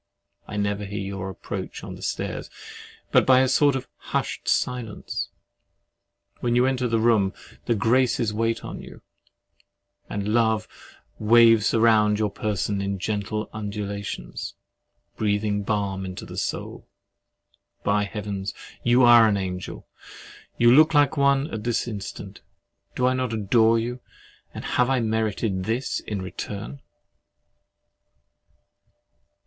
I never hear your approach on the stairs, but by a sort of hushed silence. When you enter the room, the Graces wait on you, and Love waves round your person in gentle undulations, breathing balm into the soul! By Heaven, you are an angel! You look like one at this instant! Do I not adore you—and have I merited this return?